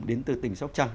đến từ tỉnh sóc trăng